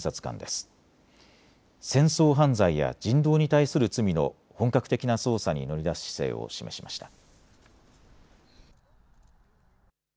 戦争犯罪や人道に対する罪の本格的な捜査に乗り出す姿勢を示しました。